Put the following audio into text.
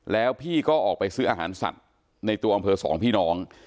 แล้วพี่ก็ออกไปซื้ออาหารสัตว์ในตัวอำเภอสองพี่น้อง